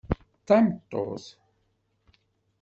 D tameṭṭut.